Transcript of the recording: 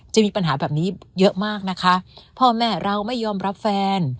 มีปัญหาแบบนี้เยอะมากนะคะพ่อแม่เราไม่ยอมรับแฟน